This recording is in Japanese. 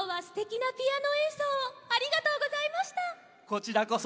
こちらこそ！